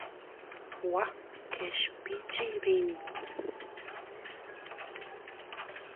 waa qeshpichiy rin